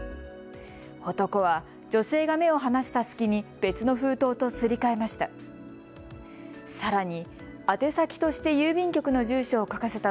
男は、女性が目を離した隙に別の封筒とすり替えました。